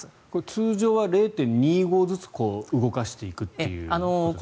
通常は０．２５ずつ動かしていくという。